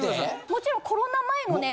もちろんコロナ前のね